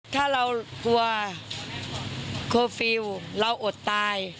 ถ้าเรากลัวโคฟิลลเราอดตาย